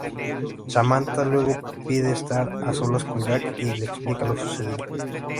Samantha luego pide estar a solas con Jack y le explica lo sucedido.